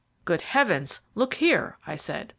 "Good heavens! look here," I said.